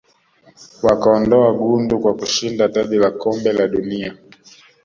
wakaondoa gundu kwa kashinda taji la kombe la dunia